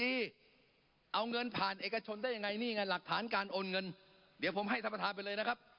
เอาเงินผ่านเอกชนได้ยังไงนี่ไงหลักฐานการโอนเงินเดี๋ยวผมให้ท่านประธานไปเลยนะครับ